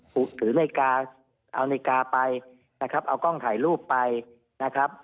ถือนาฬิกาเอานาฬิกาไปนะครับเอากล้องถ่ายรูปไปนะครับ